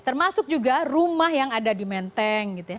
termasuk juga rumah yang ada di menteng